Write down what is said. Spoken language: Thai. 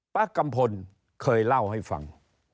กัมพลเคยเล่าให้ฟัง